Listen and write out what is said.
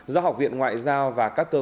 do học viện ngoại giao và các cơ